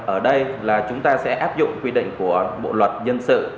ở đây là chúng ta sẽ áp dụng quy định của bộ luật dân sự